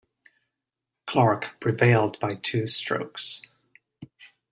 Clarke prevailed by two strokes.